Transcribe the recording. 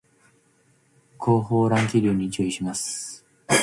後方乱気流に注意します